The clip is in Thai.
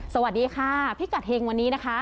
สวัสดีค่ะพิกัดเฮงวันนี้นะคะ